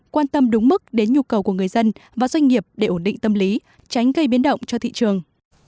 quan tâm đúng mức đến nhu cầu của người dân và doanh nghiệp để ổn định tâm lý tránh gây biến động cho thị trường